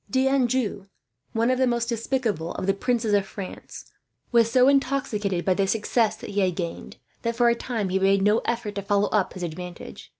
D'Anjou, one of the most despicable of the princes of France, was so intoxicated by the success that he had gained that, for a time, he made no effort to follow up his advantage.